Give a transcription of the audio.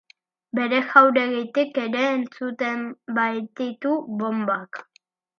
Bere jauregitik ere entzuten baititu bonbak.